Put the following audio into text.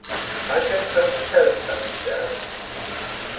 "I came home to tell you something, Dad."